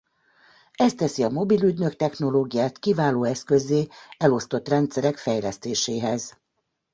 Ez teszi a mobil ügynök technológiát kiváló eszközzé elosztott rendszerek fejlesztéséhez.